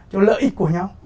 cho lợi ích của nhau